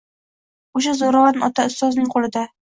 O‘sha zo‘ravon ota ustozning qo‘lida.